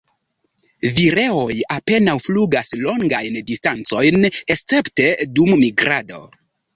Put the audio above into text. Vireoj apenaŭ flugas longajn distancojn escepte dum migrado.